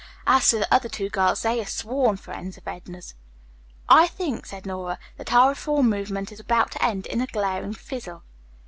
As to the other two girls, they are sworn friends of Edna's." "I think," said Nora, "that our reform movement is about to end in a glaring fizzle."